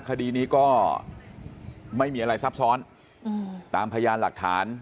คดีนี้ก็ไม่มีอะไรซับซ้อนตามพยานหลักฐาน